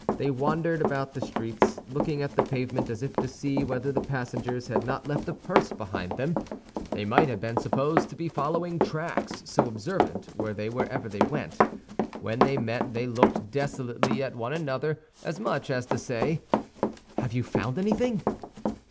They wandered about the streets, looking at the pavement as if to see whether the passengers had not left a purse behind them. They might have been supposed to be following tracks, so observant were they wherever they went. When they met they looked desolately at one another, as much as to say, "Have you found anything?"